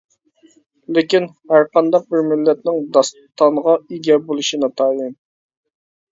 لېكىن، ھەر قانداق بىر مىللەتنىڭ داستانغا ئىگە بولۇشى ناتايىن.